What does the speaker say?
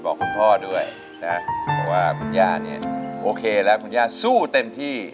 คุณพ่อด้วยนะบอกว่าคุณย่าเนี่ยโอเคแล้วคุณย่าสู้เต็มที่